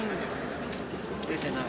出てない。